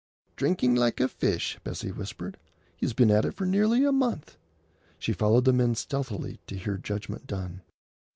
"Drinking like a fish," Bessie whispered. "He's been at it for nearly a month." She followed the men stealthily to hear judgment done.